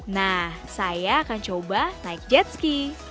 nah saya akan coba naik jet ski